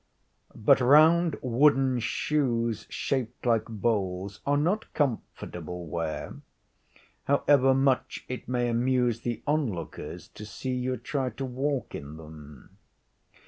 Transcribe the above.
But round wooden shoes, shaped like bowls, are not comfortable wear, however much it may amuse the onlooker to see you try to walk in them.